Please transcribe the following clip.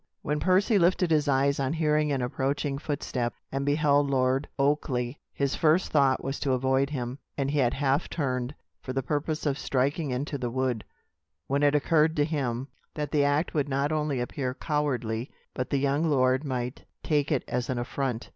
When Percy lifted his eyes on hearing an approaching footstep, and beheld Lord Oakleigh, his first thought was to avoid him; and he had half turned, for the purpose of striking into the wood, when it occurred to him that the act would not only appear cowardly, but the young lord might take it as an affront.